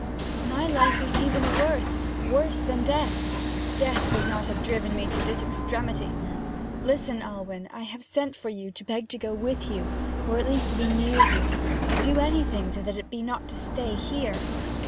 'My life is even worse worse than death. Death would not have driven me to this extremity. Listen, Alwyn I have sent for you to beg to go with you, or at least to be near you to do anything so that it be not to stay here.'